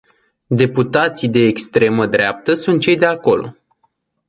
Deputații de extremă dreapta sunt cei de acolo.